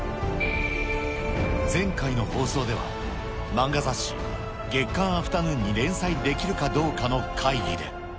前回の放送では、漫画雑誌、月刊アフタヌーンに連載できるかどうかの会議で。